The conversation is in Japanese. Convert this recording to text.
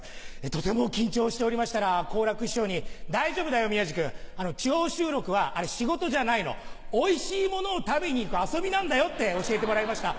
とても緊張しておりましたら好楽師匠に大丈夫だよ宮治君地方収録は仕事じゃないのおいしいものを食べに行く遊びなんだよって教えてもらいました。